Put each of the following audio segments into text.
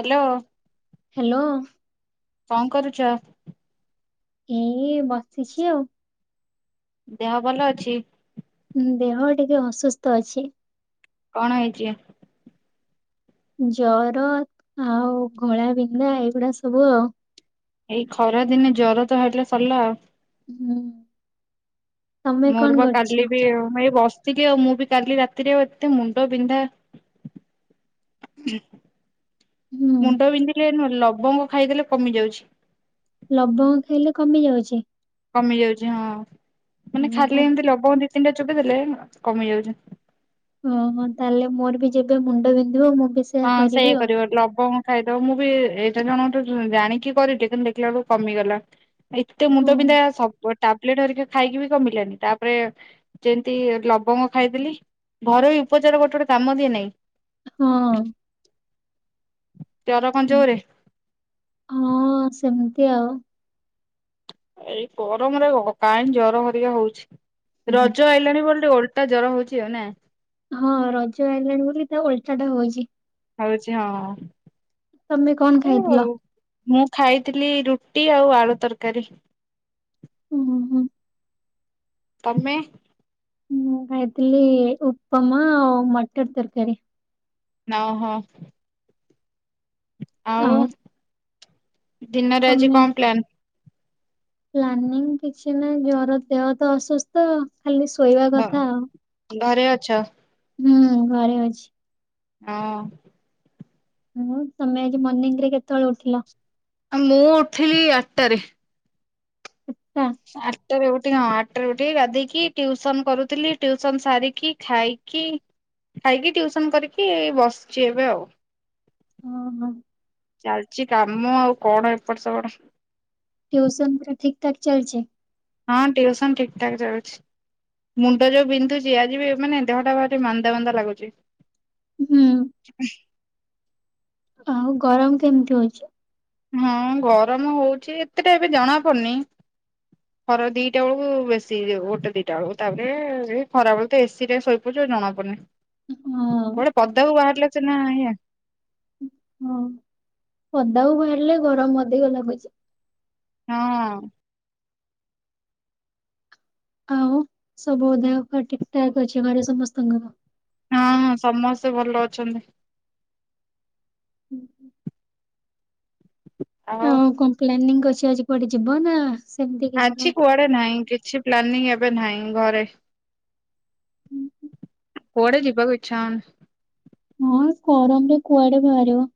Hello hello କଣ କରୁଚ? ମୁଁ ବି ଏଇ ବସିଛି ଆଉ। ଦେହ ଭଲ ଅଛି? ହୁଁ, ଦେହ ଟିକେ ଅସୁସ୍ଥ ଅଛି। କଣ ହେଇଛି? ଜର ଆଉ ଘୋଳା ବିିନ୍ଧା, ଏଇଗୁଡା ସବୁ ଆଉ। ଏଇ ଖରା ଦିନେ ଜର ତ ହେଲେ ସରିଲା ଆଉ। ହୁଁ। ତମେ ମୋର କଣ ବା କରୁଛ? କାଲି ବି ଏଇ ହେଇ ବସ୍ ଟିକେ, ମୁଁ ବି କାଲି ରାତିରେ, ଏତେ ମୁଣ୍ଡ ବିନ୍ଧା ହୁଁ ମୁଣ୍ଡ ବିନ୍ଧିଲେ, ଲବଙ୍ଗ ଖାଇଦେଲେ କମି ଯାଉଛି। ଲବଙ୍ଗ ଖାଇଲେ କମି ଯାଉଛି? କମି ଯାଉଛି ହଁ, ମାନେ ଓହୋ ଖାଲି ଏମିତି ଲବଙ୍ଗ ଦି, ତିନିଟା ଚୋବେଇ ଦେଲେ କମି ଯାଉଛି। ଓହୋ, ତାହେଲେ ମୋର ବି ଯେବେ ମୁଣ୍ଡ ବିନ୍ଧିବ ମୁଁ ବି ସେ ହଁ, ସେଇଆ କରିବ, ଲବଙ୍ଗ ଖାଇଦବ, ମୁଁ ବି ଏଇଟା ଜଣଙ୍କୁଟୁ ଜାଣିକି କରିଲି କିନ୍ତୁ ଦେଖିଲା ବେଳକୁ କମିଗଲା। ଏତେ ହଁ ମୁଣ୍ଡ ବିନ୍ଧା, ସବୁ ଟାବଲେଟ ହେରିକା ଖାଇକି ବି କମିଲାନି, ତାପରେ ଯେମତି ଲବଙ୍ଗ ଖାଇଦେଲି, ଘରୋଇ ଉପଚାର ଗୋଟେ ଗୋଟେ କାମ ଦିଏ ନାହିଁ? ହଁ। ଜର କଣ ଜୋରରେ? ହଁ, ସେମିତି ଆଉ। ଏଇ ଗରମରେ କାହିଁ ଜର ହରିକା ହଉଛି? ହୁଁ, ରଜ ଆଇଲାଣି ବୋଲି ଓ ଓଲଟା ଜର ହଉଛି, ଆଉ ନା? ହଁ, ରଜ ଆଇଲାଣି ବୋଲି, ତା ଓଲଟା ହଉଚି। ହଉଛି ହଁ। ତମେ କଣ ଏ ଖାଇଥିଲ? ମୁଁ ଖାଇଥିଲି ରୁଟି ଆଉ ଆଳୁ ତରକାରୀ। ଉହୁଁ। ତମେ? ମୁଁ ଖାଇଥିଲି ଉପମା ଆଉ ମଟର୍ ତରକାରୀ। ନହୋ। ଆଉ ଦିନରେ ଆଜି ତମେ କଣ ପ୍ଲାନ? ପ୍ଲାନିଂ କିଛି ନାହି ଜର ଦେହ ତ ଅସୁସ୍ଥ ଖାଲି ଶୋଇବା କଥା ଆଉ। ଘରେ ଅଛ? ହୁଁ ଘରେ ଅଛି। ଅଁ ହୁଁ, ତମେ ଆଜି ମର୍ଣ୍ଣିଂ ରେ କେତଳେ ଉଠିଲ? ମୁଁ ଉଠିଲି ଆଠଟାରେ। [unintelligible] ଟା। ଆଠଟାରେ ଉଠିକି ହଁ ଆଠଟାରେ ଉଠିକି ଗାଧେଇ କି ଟିଉସନ କରୁଥିଲି। ଟିଉସନ ସାରିକି ଖାଇ କି, ଖାଇକି ଟ୍ୟୁସନ କରିକି ଏଇ ବସିଛି ଏବେ ଆଉ। ଓହୋ। ଚାଲିଛି କାମ ଆଉ କଣ ଏପଟ ସେପଟ ଟ୍ୟୁସନ୍ ପୁରା ଠିକ୍ ଠାକ୍ ଚାଲିଛି। ହଁ, ଟ୍ୟୁସନ ଠିକ୍ ଠାକ୍ ଚାଲିଛି। ମୁଣ୍ଡ ଯୋଉ ବିନ୍ଧୁଚି ଆଜି ବି ମାନେ ଦେହଟା ଭାରି ମାନ୍ଦା ମାନ୍ଦା ଲାଗୁଛି। ହୁଁ [inaudible] ଆଉ ଗରମ କେମିତି ହଉଚି? ହଁ ଗରମ ହଉଛି ଏତେଟା ଏବେ ଜଣା ପଡିନେଇଁ। ଖରା ଦିଇଟା ବେଳକୁ, ବେଶୀ ହେଇ ଯା ଗୋଟେ ଦିଇଟା ବେଳକୁ। ତାପରେ ହେ ଖରାବେଳେ ତ ଏ ସି ରେ ଶୋଇପଡ଼ୁଚୁ ଆଉ ଜଣାପଡ଼ୁନେଇଁ। [inaudible] କୁଆଡେ ପଦାକୁ ବାହାରିଲେ ସିନା ଇଏ। ପଦା କୁ ବାହାରିଲେ ଗରମ ଅଧିକ ଲାଗୁଚି। ହଁ। ଆଉ, ସବୁ ଦେହପା ଠିକ୍ ଠାକ୍ ଅଛି, ଘରେ ସମସ୍ତଙ୍କର। ହଁ ସମସ୍ତେ ଭଲ ଅଛନ୍ତି। ଆଉ କଣ ପ୍ଲାନିଂ କରିଛ ଆଜି କୁଆଡେ ଯିବ ନା ସେମିତି କିଛି ଆଜି ନାହିଁ? କୁଆଡେ ନାହିଁ କିଛି ପ୍ଲାନିଂ ଏବେ ନାହିଁ ଘରେ। କୁଆଡେ ଯିବାକୁ ଇଚ୍ଛା ହୋଉନି। ହଁ, ଗରମରେ କୁଆଡେ ବାହାରିବ।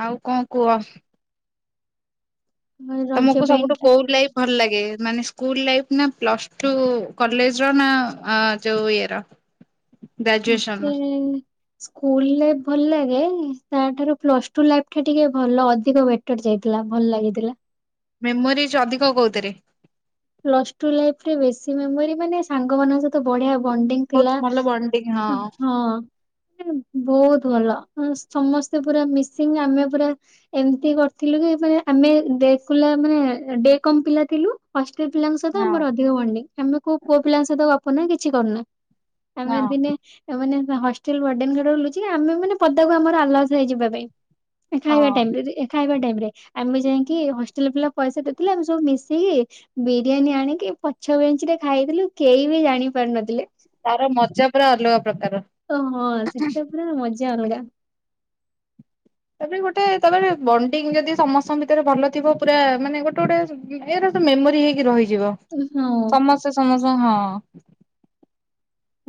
ଆଉ କଁ କୁହ? ରଜ ତମକୁ ସବୁଠୁ ବ୍ୟାଣ୍ଡରେ କୋଉ ଲାଇଫ ଭଲ ଲାଗେ, ମାନେ ସ୍କୁଲ ଲାଇଫ ନା, ପ୍ଲସ୍‌ ଟୁ କଲେଜର, ନା ଅଁ ଯୋଉ ଇଏର? ମତେ ସ୍କୁଲ ଲାଇଫ ଭଲ ଲାଗେ। ତାଠାରୁ, ପ୍ଲସ ଟୁ ଲାଇଫଟା ଟିକେ ଭଲ ଅଧିକ ବେଟ ଟର ଯାଇଥିଲା, ଭଲ ଲାଗିଥିଲା। ମେମୋରିଜ ଅଧିକ କୋଉଥିରେ। ପ୍ଲସଟୁ ଲାଇଫରେ ବେଶୀ ମେମୋରି ମାନେ, ସାଙ୍ଗମାନଙ୍କ ସହି ତ ବଢିଆ ବଣ୍ଡିଙ୍ଗ ବହୁତ ଥିଲା ଭଲ ବଣ୍ଡିଙ୍ଗ ହଁ। ବହୁତ ଭଲ ସମସ୍ତେ ପୁରା ମିସିଙ୍ଗ ଆମେ ପୁରା ଏମିତି କରିଥିଲୁ କି, ମାନେ ଆମେ ଡେକୁଲା ମାନେ ଡେ କମ ପିଲା ଥିଲୁ। ହଷ୍ଟେଲ ପିଲାଙ୍କ ସହିତ ହଁ ଆମର ଅଧିକ ବଣ୍ଡିଙ୍ଗ ଆମେ କୋଉ ପୁଅ ପିଲାଙ୍କ ସହିତ ଗପୁନା କିଛି କରୁନା। ହଁ ଆମେ ଦିନେ, ମାନେ ହଷ୍ଟେଲ ୱାଡେନ ଗାଡି ବୁଲୁଚି। ଆମେ, ମାନେ ପଦାକୁ, ଆମର ଆଲାସ ନାହିଁ ଯିବା ପାଇଁ। ଖାଇବା ଟାଇମ୍ ହଁ ରେ ଯେ ଏ ଖାଇବା ଟାଇମ୍ ରେ, ଆମେ ଯାଇକି ହଷ୍ଟେଲରେ ପିଲା ପଇସା ଦେଇଥିଲେ, ଆମେ ସବୁ ମି କି, ବିରିୟାନୀ ଆଣିକି, ପଛ ବେଞ୍ଚେ ରେ ଖାଇଦେଲୁ। କେହି ବି ଜାଣି ପାରୁନଥିଲେ। ତାର ମଜା ପୁରା ଅଲଗା ପ୍ରକାର। ହଁ ସେଟା ପୁରା ମଜା ଅଲଗା। ତାପରେ ଗୋଟେ ତାପରେ ବଣ୍ଡିଙ୍ଗ ଯଦି ସମସ୍ତଙ୍କ ଭିତରେ ଭଲ ଥିବ ପୁରା ମାନେ ଗୋଟେ ଗୋଟେ ଏରା ତ ମେମୋରି ହେଇକି ରହିଯିବ। ଅଁ ହଁ। ସମସ୍ତେ ସମସ୍ତଙ୍କୁ ହଁ।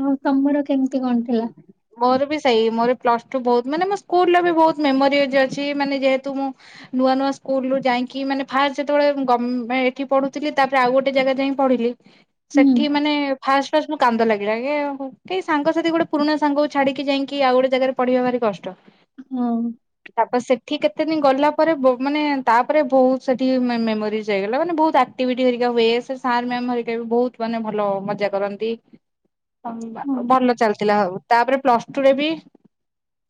ମୁଁ ତମର କେମିତି କଣ? ଥିଲା? [unintelligible] ମୋର ବି ସେଇ ମୋର ପ୍ଲସ ଟୁ, ବହୁତ ମାନେ ମୋ ସ୍କୁଲରେ ବି ବହୁତ ମେମୋରିଜ୍‌ ଅଛି ମାନେ, ଯେହେତୁ ମୁଁ ନୂଆ ନୂଆ ସ୍କୁଲୁ ଯାଇକି ମାନେ ଫାଷ୍ଟ ଯେତେବେଳେ ଗ ମେ ଏଠି ପଢୁିଥିଲି ତାପରେ ଆଉ ଗୋଟେ ଜାଗା ଯାଇ ପଢିଲି ହୁଁ। ସେଠି ମାନେ ଫାର୍ଷ୍ଟ ଫାର୍ଷ୍ଟ ମୁଁ କାନ୍ଦ ଲାଗିଲା କାଇଁ କେହି ସାଙ୍ଗ ସ ସେଠି ଗୋଟେ ପୁଣା ସାଙ୍ଗକୁ ଛାଡିକି ଯାଇଁକି ଆଉ ଗୋଟେ ଜାଗାରେ ପଢିବା ଭାରି କଷ୍ଟ। ହଁ। ତାପରେ ସେଠି କେତେ ଦିନି ଗଲା ପରେ ବ ମାନେ ତାପରେ ବହୁତ୍ ସେଠି ମେ ମେମୋରିଜ ହେଇଗଲା ମାନେ ବହୁତ ଆ ଏକ୍ଟିବିଟୀ ହେରିକା ହୁଏ ସେ ସାର୍ ମ୍ୟାମ ହେରିକା ବି ବହୁତ ମାନେ ଭଲ ମଜା କରନ୍ତି। ହଁ [unintelligible] ଭଲ ଚାଲିଥିଲା ହଉ ତାପରେ ପ୍ଲସ ଟୁ ରେ ବି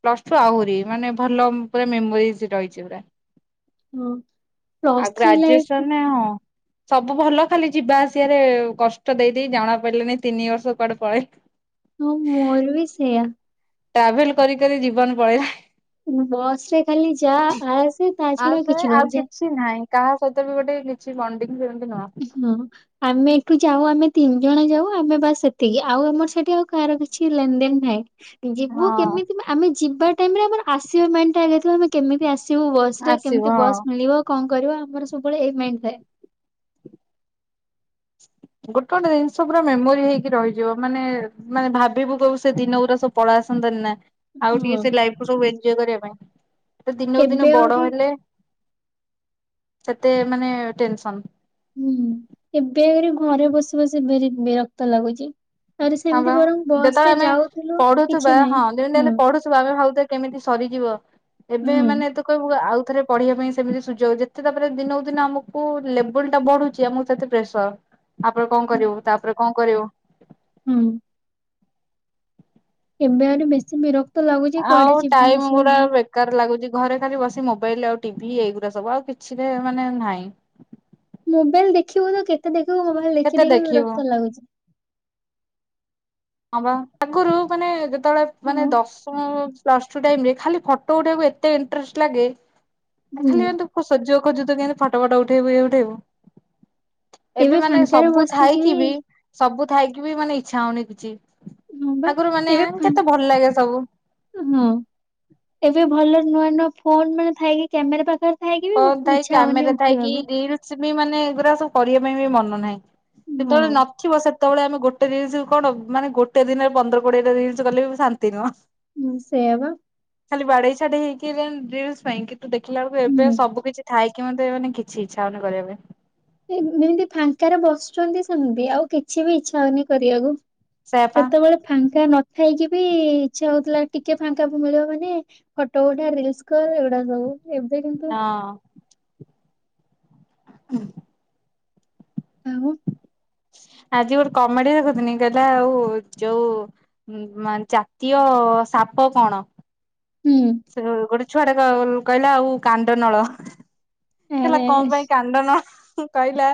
ପ୍ଲସୁ ଟୁ ଆହୁରି ମାନେ ଭଲ ପୁରା ମେମୋରିଜ ରହିଛି ପୁରା। ହଁ ଆ ପ୍ଲସ୍ ଥ୍ରୀ ଲାଇଫ ଗ୍ରାଜୁଏସନ ରେ ହଁ। ସବୁ ଭଲ ଖାଲି ଯିବା ଆସିବାରେ କଷ୍ଟ ଦେଇଦେଇ ଜଣା ପଡିଲାନି ତିନି ବର୍ଷ କୁଆଡେ ପଳେଇଲା। ହଁ ମୋର ବି ସେୟା। ଟ୍ରାଭେଲ କରିି କରି ଜୀବନ ପଳେଇଲା। ବସ ରେ ଖାଲି ଯା ଆସେ ତା ଛଡ଼ା ଆଉ କିଛି ନୁହଁ ଯା କିଛି ନାହିଁ କାହା ସହିତ ବି ଗୋଟ କିଛି ବଣ୍ଡିଙ୍ଗ ସେମିତି ନୁହଁ। ହଁ ଆମେ ଏଠୁ ଯାଉ ଆମେ ତିନି ଜଣ ଯାଉ ଆମେ ବାସ ସେତିକି ଆଉ ଆମର ସେଠି ଆଉ କାହାର କି କିଛି ଲେନ୍ ଦେନ୍ ନାହିଁ ଯିବୁ ହଁ କେମିତି ମା ଆମେ ଯିବା ଟାଇମରେ ଆମର ଆସିବା ମାଇଣ୍ଡ ଟା ଆଗେ ଥିବ ଆମେ କେମିତି ଆସିବୁ ବସ ରେ ଆସିବ କେମିତି ହଁ ବସ୍ ମିଳିବ କଣ କରିବ ଆମର ସବୁବେଳେ ଏଇ ମାଇଣ୍ଡ୍ ଥାଏ। ଗୋଟେ ଗୋଟେ ଜିନିଷ ପୁରା ମେମୋରି ହେଇକି ରହିଯିବ ମାନେ ମାନେ ଭାବିବୁ କୋଉ ସେ ଦିନ ଗୁରା ସବୁ ପଳା ଆସନ୍ତି ନା। ଆଉ ଟିକେ ହଁ ସେ ଲାଇଫ କୁ ସବୁ ଏଞ୍ଜୟ୍ କରିବା ପାଇଁ ଦିନକୁ ଦିନ ଏବେ ବଡ ଆହୁରି ହେଲେ ସେତେ ମାନେ ଟେନସନ୍। ହୁଁ ଏବେ ଆହୁରି ଘରେ ବସି ବସି ଭାରି ବିରକ୍ତ ଲାଗୁଛି। ଆହୁରି ହଁ ସେମିତି ବା ବରଂ ବସ ଯେତେବେଳେ ରେ ଆମେ ଯାଉଥିଲୁ କିଛି ନାହିଁ ହୁଁ। କିନ୍ତୁ ଆମେ ଭାବୁଥିବା କେମିତି ସରିଯିବ ଏବେ ହୁଁ। ମାନେ ତୁ ତୁ କହିବୁ ଆଉ ଥରେ ପଢିବା ପାଇଁ ସେମିତି ସୁଯୋଗ ଯେତେ ତାପରେ ଦିନକୁ ଦିନ ଆମକୁ ଲେବୁଲ୍ ଟା ବଢୁଛି ଆମକୁ ସେତେ ପ୍ରେସର ତାପରେ କଣ କରିବୁ ତାପରେ କଣ କରିବୁ ହୁଁ। ଏବେ ଆହୁରି ବେଶୀ ବିରକ୍ତ ଲାଗୁଛି ଆଉ କୁଆଡେ ଯିବା ଟାଇମ ଆସିବା ଗୁଡା ନାହିଁ। ବେକାର ଲାଗୁଛି ଘରେ ଖାଲି ବସି ମୋବାଇଲ ଆଉ ଟିଭି ଏଇଗୁଡା ସବୁ ଆଉ କିଛି ବି ମାନେ ନାହିଁ। ମୋବାଇଲ ଦେଖିବୁ ତ କେତେ ଦେଖିବୁ ମୋବାଇଲ ଦେଖି କେତେ ଦେଖି ଦେଖିବୁ ବିରକ୍ତ ଲାଗୁଛି। ହଁ ବା ଆଗରୁ ମାନେ ଯେତେବେଳେ ମାନେ ହଁ। ଦଶମ ପ୍ଲସ ଟୁ ଟାଇମ ରେ ଖାଲି ଫଟୋ ଉଠିବାକୁ ଏତେ ଇଣ୍ଟରେଷ୍ଟ ଲାଗେ ହୁଁ ଖାଲି ଏମିତି ସୁଯୋଗ ଖୋଜୁଥିବୁ କେମତି ଫଟୋ ଫଟୋ ଉଠେଇବୁ ଇଏ ଉଠେଇବୁ ଏବେ ମାନେ ସବୁ ଥାଇକି ବି ସବୁ ଥାଇକି ବି ମାନେ ଇଚ୍ଛା ହଉନି କିଛି ହଁ ବା ଆଗରୁ ମାନେ ଏବେ ଫା କେତେ ଭଲ ଲାଗେ ସବୁ ହଁ ହିଁ ଏବେ ଭଲ ନୂଆ ନୂଆ ଫୋନ ମାନେ ଥାଇକି କ୍ୟାମେରା ପାଖରେ ଥାଇକି ବି ହଁ ଉଠ- ଥାଇ ଇଚ୍ଛା ହଉନି କ୍ୟାମେରା ଥାଇ କି ଉଠିବାକୁ। ରିଲସ ବି ମାନେ ଏଗୁଡା ସବୁ କରିବା ପାଇଁ ବି ମନ ନାହିଁ ହଁ ସେତେବେଳେ ନ ନଥିବ ସେତେବେଳେ ଆମେ ଗୋଟେ ରିଲ୍ସ୍ କଣ ମାନେ ଗୋଟେ ଦିନରେ ପନ୍ଦର କୋଡିଏ ଟା ରିଲ୍ସ କଲେ ବି ଶାନ୍ତି ନୁହଁ ହୁଁ ସେଇଆ ବା ଖାଲି ବାଡେଇ ଛାଟୀ ହେଇକି ଦେନ୍ ରିଲ୍ସ ପାଇଁ କିନ୍ତୁ ଦେଖା ବେଳକୁ ଏ ଏବେ ହୁଁ। ସବୁ କିଛି ଥାଇକି ମଧ୍ୟ ମାନେ କିଛି ଇଚ୍ଛା ହଉନି କରିବା ପାଇଁ ଏମିତି ଫାଙ୍କାରେ ବସୁଛନ୍ତି ସେମିତି ଆଉ କିଛି ବି ଇଚ୍ଛା ହଉନି କରିବାକୁ ସେୟା ପା ସେତେବେଳେ ଫାଙ୍କା ନଥାଇକି ବି ଇଛା ହଉଥିଲା ଟିକେ ଫାଙ୍କା ମିଳିବ ମାନେ ଫଟୋ ଉଥା ରିଲ୍ସ କର ଏଗୁଡା ସବୁ ଏବେ କିନ୍ତୁ ହଁ ହୁ ଆଉ ଆଜି ଗୋଟେ କମେଡି ଦେଖୁଥିନି କହିଲା ଆଉ ଯୋଉ ମ ମାନେ ଜାତୀୟ ସାପ କଣ ହୁଁ ସେ ଗୋଟେ ଛୁଆଟା କହିଲା ଆଉ କାଣ୍ଡ ନଳ କହିଲା ଆରେ କଆଁ ପାଇଁ କାଣ୍ଡ ନାଳ କହିଲା।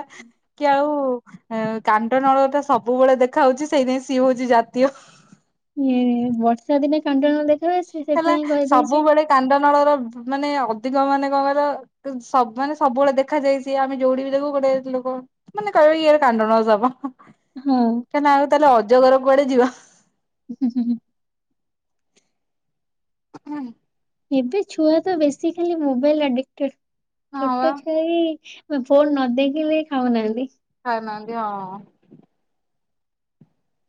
କି ଆଉ କାଣ୍ଡନଳ ଟା ସବୁବେଳେ ଦେଖା ହଉଛି ସେଇ ନାଗି ସେ ହଉଛି ଜାତୀୟ। ଏଁ ବର୍ଷା ଦିନେ କାଣ୍ଡ ନଳ ଦେଖା ହୁଏ ସେ ହେଲା ସେଥିପାଇଁ କହିଦେଇଛି। ସବୁବେଳେ କାଣ୍ଡ ନଳ ର ମାନେ ଅଧିକ ମାନେ କଅଁ କହିଲ। ସ ମାନେ ସବୁବେଳେ ଦେଖାଯ ଯାଇ ସିଏ ଆମେ ଯୋଉଠି ବି ଦେଖୁ ଗୋଟେ ଲୋକ ମାନେ କହିବେ ଇଆରେ କାଣ୍ଡନଳ ସାପ ହଁ ହ। ହୁଁ। ତାନେ ଆଉ ଅଜଗର କୁଆଡେ ଯିବା। ହୁଁ ହୁଁ ହୁଁ। ହୁ ହୁ। ଏବେ ଛୁଆ ତ ବେଶୀ ଖାଲି ମୋବାଇଲ ଆଡିଟେଡ୍‌ ହଁ ବା ଛୋଟ ଛୁଆ ବି ଫୋନ ନ ଦେଖିଲେ ଖାଉନାହାନ୍ତି ଖାଉନାହାନ୍ତି ହଁ।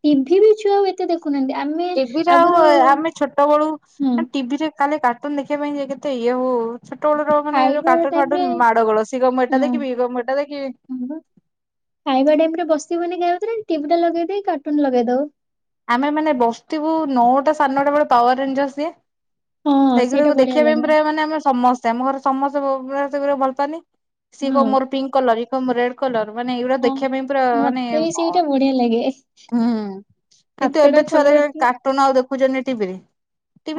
ଟିଭି ବି ଛୁଆ ଆଉ ଏତ୍‌ ସେ ଦେଖୁନାହାନ୍ତି ଆମେ ଟିଭିରେ ଆଉ ଆଗରୁ ଆମେ ଛୋଟ ବେଳୁ ହୁଁ ଟିଭିରେ କାଲି କାର୍ଟୁନ ଦେଖିବା ପାଇଁ କେତେ ଇଏ ହୋଉ। ଛୋଟବେଳର ମାନେ ଯୋଉ ଖାଇବା କାଟୁନ ଟାଇମ ଫାଟୁନ୍‌ ରେ ମାଡ ଗୋଳ ସିଏ କଇବ ମୁଁ ଏଟା ହଁ ଦେଖିବଇଏ କଇବ ମୁଁଏଟା ଦେଖି ବି। ହଁ ବା ଖାଇବା ଟାଇମ ରେ ବସ୍ଥି ବନେଇ ଯାଉଚୁନା ଟିଭି ଟ। ଲଗେଇ ଦେଇ କାର୍ଟୁନ ଲଗେଇ ଦଉ। ଆମେ ମାନେ ବସିଥିବୁ ନଅଟା ସାଢ଼େ ନଅଟା ବେଳେ ପାୱାର ରେଞ୍ଜସ ଦିଏ। ହଁ ସେଇଟା ସେଇଗୁରାକୁ ବଢିଆ ଦେଖିବା ପାଇଁ ଲାଗେ ପ୍ରୁରାୟ ମାନେ ଆମେ ସମସ୍ତେ ଆମ ଘରେ ସମସ୍ତେ ସେଗୁରା ଭଲ ପାଆନ୍ତି। ସିଏ କଇବ ହଁ ମୋର ପିଙ୍କ୍ କଲର ଇ କଇବ ମୋର ରେଡ୍‌ କଲର ମାନେ ଏଇଗୁଡା ହଁ। ଦେଖିବା ପାଇଁ ପୁରା ମାନେ ମତେ ବି ସେଇଟା ବଢିଆ ଲାଗେ। ହୁଁ କିନ୍ତୁ ସାତଟା ଏବେ ଛୁଆରୋ କଲର ଯୋଉ ଥିବ କାଟ୍ କାଟୁନ ଆଉ ଦେଖୁଚ଼ନ୍ତି ଟିଭିରେ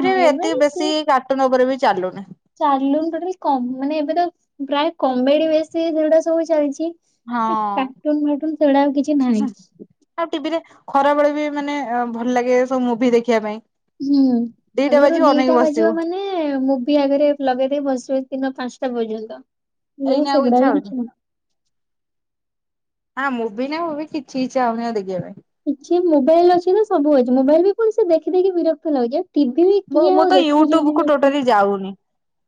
ହଁ ଏତେ ଏମାନେ ବେଶୀ କାଟୁନି ଉପରେ ବି ଚାଲୁନି। ଚାଲୁନି ଟୋଟ୍ଟାଲି କ ମାନେ ଏବେ ତ ପ୍ରାୟ କମେଡି ବେଶୀ ସେଉଡ଼ା ସବୁ ଚାଲିଚି। ହଁ କାର୍ଟୁନ ଫାଟୁନ ସେଗୁଡା ଆଉ କିଛି ନାହିଁ। ଆଉ ଟିଭିରେ ଖରାବେଳେ ବି ମାନେ ଭଲ ଲାଗେ ସବୁ ମୁଭି ଦେଖିବା ପାଇଁ। ହୁଁ ଦିଟା ଆଗରୁ ବାଜିବ ଅନେଇକି ଦିଟା ବାଜିବ ବସିଥିବୁ। ମାନେ ମୁଁଭି ଆଗରେ ଲଗେଇ ଦେଇ ବସିବେ ଦିନ ପାଞ୍ଚଟା ପର୍ଯ୍ୟନ୍ତ ମୁଁ ଏଇନା ଆଉ ଇଚ୍ଛା ସେଗୁଡାକ ହଉଛି ଦେଖେନି। ଆଁ ମୁଁବି ନା ଫୁବି କିଛି ଇଚ୍ଛା ହୋଉନି ଆଉ ଦେଖିବା ପାଇଁ। କିଛି ମୋବାଇଲ ଅଛି ନା ସବୁ ଅଛି ମୋବାଇଲ ବିଲକୁଲ୍ ଦେଖି ଦେଖି ବିରକ୍ତ ଲାଗୁଚି। ମୁଁ ମୁଁ ତ ୟୁଟ୍ୟୁବ କୁ ଟୋଟାଲି ଯାଉନି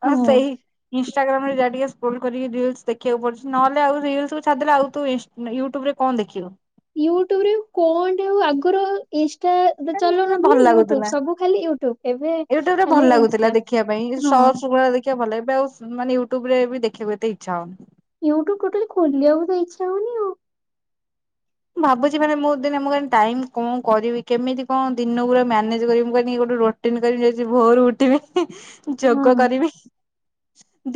ମୁଁ ହଁ। ସେଇ ଇନଷ୍ଟାଗ୍ରାମରେ ଯାହା ଟିକେ ଫୋନ କରିକି ରିଲସ ଦେଖିଆକୁ ପଡୁଛି ନହେଲେ ଆଉ ରିଲକୁ ଛାଡିଦେଲେ ଆଉ ତୁ ଇଷ୍ଟ୍ ମାନେ ୟୁଟ୍ୟୁବ ରେ କଣ ଦେଖିବୁ? ୟୁଟ୍ୟୁବ ରେ କଣ ଟେ ଆଗୁରୁ ଇଷ୍ଟା ଏବେ ଚାଲୁନି ଭଲ ବୋଲି ୟୁଟ୍ୟୁବ ଲାଗୁଥିଲା। ସବୁ ଖାଲି ୟୁଟୁବ ଏବେ ୟୁଟ୍ୟୁବ ରେ ଭଲ ଖାଲି ଲାଗୁଥିଲା ଇନଷ୍ଟା। ଦେଖିବା ପାଇଁ ହଁ ସରସ୍ ଗୁଳା ଦେଖିବା ଭଲ ଏବେ ଆଉ ମାନେ ୟୁଟ୍ୟୁବ ରେ ବି ଦେଖିବା ଏତେ ଇଚ୍ଛା ହୋଉନି। ୟୁଟ୍ୟୁବ ଟୋଟାଲି ଖୋଲିବାକୁ ତ ଇଚ୍ଛା ହୋଉନି ଆଉ। ମୁଁ ଭାବୁଚି ମାନେ ମୁଁ ଦିନେ ମୁଁ ଟାଇମ୍ କଣ କରିବି କେମିତି କଣ ଦିନ ଉରା ମ୍ୟାନେଜ କରିବି ମୁଁ କରିବି ଏ ଗୋଟେ ରୋ ଟିମି କହୁଚି ଯାଇଚି ଭୋରୁ ଉଠିବି। ହଁ ଯୋଗ କରିବି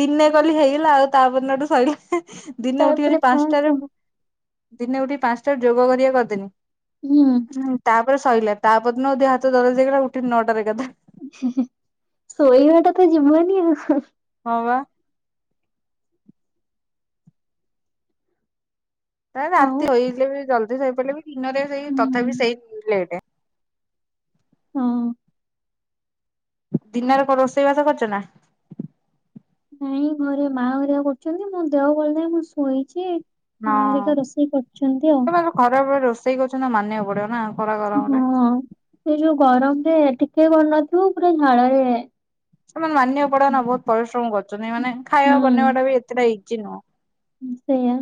ଦିନେ କଲି ହେଇଗଲା ଆଉ ତାପର ଦିନ ଠୁ ଶୋଇଲି। ଦିନେ ଉଠିଗଲି ତାପରେ ପାସ ପାଞ୍ଚଟାରେ ଦିନେ ଉଠି ପାଞ୍ଚଟାରେ ଯୋଗ କରିଆ କରିଦେନି। ହୁଁ। ହୁଁ ତାପରେ ସଇଲା ତାପରେ ଦିନ ଦେହ ହାତ ଦରଜ ହେଇଗଲା ଉଠିଲି ନଅଟାରେ ଏକା ଥରେ। ହୁଁ ହୁଁ ଶୋଇବା ଟା ତ ଯିବନି ଆଉ। ହଁ ବା। ହେ ଆଉ ରାତି ହେଇଯାଉ ଜଲ୍ଦି ଶୋଇ ପଡ଼ିଲେ ବି ଦିନରେ ସେଇ ହୁଁ ତଥାପି ସେଇ ଲେଟ୍। ହୁଁ। ଦିନରେ କଣ ରୋଷେଇ ବାସ କରିଚ ନା? ନାଇଁ ଘରେ ମା ହରିଆ କରୁଛନ୍ତି ମୋ ଦେହ ଭଲ ନାହିଁ ମୁଁ ଶୋଇଚି ଆଉ। ହଁ ତମେ ଯୋଉ ଖରା ବେଳେ ରୋଷେଇ କରୁଛନ୍ତି ମାନିବାକୁ ପଡିବ ନା। ଖରା ହୁଁ ଗରମରେ ସେ ଯୋଉ ଗରମରେ ଟିକେ କରିନଥିବ ପୁରା ଝାଳରେ ସେମାନେ ମାନିବାକୁ ପଡିବ ନା ବହୁତ ପରିଶ୍ରମ କରୁଛନ୍ତି ମାନେ ଖାଇବା ବନେଇବା ଟା ବି ଏତେଟା ଇଜି ନୁହଁ। ସେଇୟା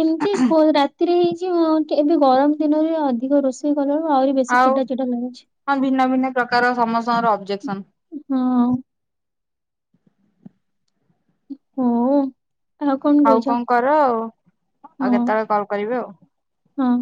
କେମିତି ରାତିରେ ହେଇଛି ଏବେ ଗରମ ଦିନରେ ଅଧିକ ରୋଷେଇ ସେଇ ଗଲୁ ଆହୁରି ବେଶୀ ଆଉ ଚିଡା ଚିଡା ଲାଗୁଛି। ହଁ ଭିନ୍ନ ଭିନ୍ନ ପ୍ରକାର ସମସ୍ତଙ୍କର ଅବଜେକ୍ସନ। ହୁଁ। ତୁ ଥୋ। ହଉ କଣ କର ଆଉ ହଁ କେତେବେଳେ କଲ୍ କରିବି ଆଉ। ହଁ।